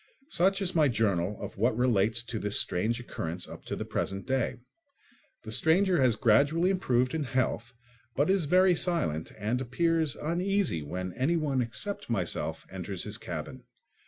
Such is my journal of what relates to this strange occurrence up to the present day. The stranger has gradually improved in health but is very silent and appears uneasy when anyone except myself enters his cabin.